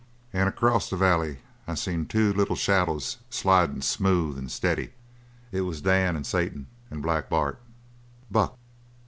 And across the valley I seen two little shadows slidin', smooth and steady. It was Dan and Satan and Black Bart!" "Buck!"